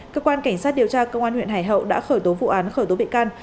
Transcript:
cơ quan cảnh sát điều tra công an huyện hải hậu đã khởi tố vụ án khởi tố bị can